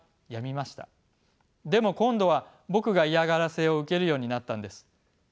でも今度は僕が嫌がらせを受けるようになったんです。